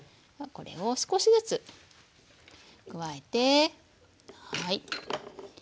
これを少しずつ加えてはい。